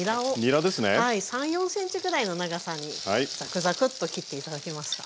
３４ｃｍぐらいの長さにざくざくっと切って頂けますか？